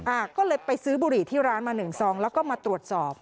อ่าก็เลยไปซื้อบุหรี่ที่ร้านมาหนึ่งซองแล้วก็มาตรวจสอบ